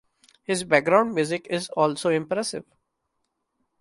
His background music is also impressive.